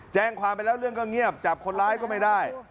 แจ้งความไปแล้วเรื่องก็เงียบจับคนร้ายก็ไม่ได้